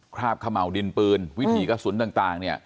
ราบเขม่าวดินปืนวิถีกระสุนต่างเนี่ย